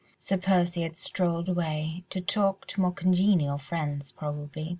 Sir Percy had strolled away, to talk to more congenial friends probably.